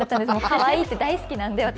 かわいいって大好きなんで、私。